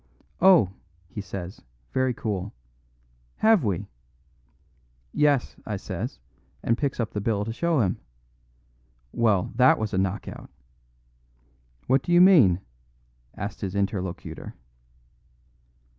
'Oh,' he says, very cool, 'have we?' 'Yes,' I says, and picks up the bill to show him. Well, that was a knock out." "What do you mean?" asked his interlocutor.